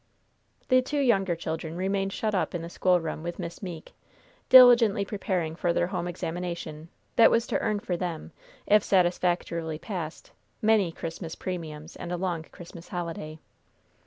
The two younger children remained shut up in the schoolroom with Miss Meeke, diligently preparing for their home examination, that was to earn for them, if satisfactorily passed, many Christmas premiums and a long Christmas holiday.